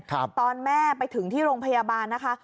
ตอนแม่ไปถึงที่โรงพยาบาลนะคะ